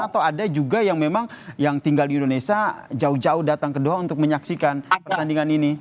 atau ada juga yang memang yang tinggal di indonesia jauh jauh datang ke doha untuk menyaksikan pertandingan ini